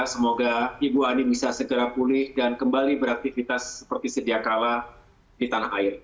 semoga ibu ani bisa segera pulih dan kembali beraktifitas seperti sediakala di tanah air